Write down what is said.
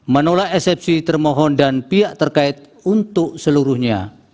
menolak eksepsi termohon dan pihak terkait untuk seluruhnya